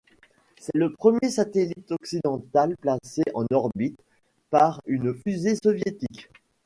C'est le premier satellite occidental placé en orbite par une fusée soviétique.